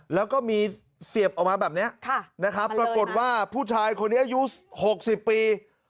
แล้วก็มีเสียบออกมาแบบนี้นะครับปรากฏว่าผู้ชายคนนี้อายุ๖๐ปี